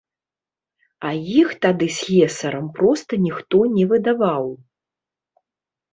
А іх тады слесарам проста ніхто не выдаваў.